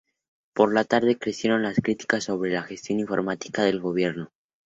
Por la tarde crecieron las críticas sobre la gestión informativa del Gobierno.